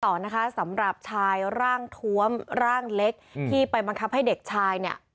ต่อนะคะสำหรับชายร่างทวมร่างเล็กที่ไปบังคับให้เด็กชายเนี่ย